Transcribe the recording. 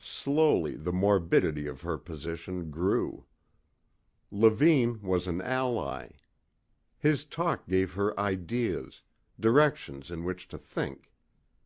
Slowly the morbidity of her position grew. Levine was an ally. His talk gave her ideas directions in which to think.